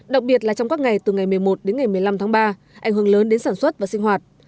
đặc biệt là trong các ngày từ ngày một mươi một đến ngày một mươi năm tháng ba ảnh hưởng lớn đến sản xuất và sinh hoạt